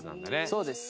そうです。